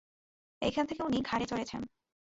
এইখান থেকে উনি ঘাড়ে চড়েছেন।